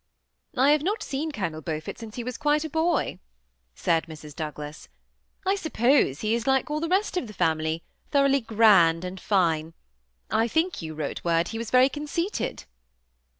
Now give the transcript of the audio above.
*'I have not seen Colonel Beaufort since he was quite a boy," said Mrs. Douglas. "I suppose he is like all the rest of the family^ thoroughly grand and fine. I think you wrote word he was very conceited."